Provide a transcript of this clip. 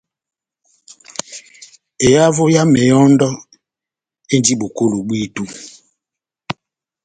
Ehavo ya mehɔ́ndɔ endi bokolo bwíto.